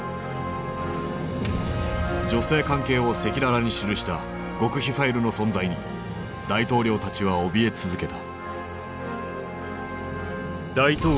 女性関係を赤裸々に記した極秘ファイルの存在に大統領たちはおびえ続けた。